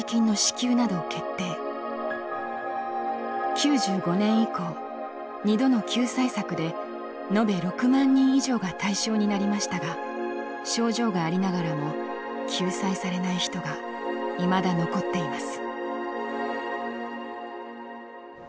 ９５年以降２度の救済策で延べ６万人以上が対象になりましたが症状がありながらも救済されない人がいまだ残っています。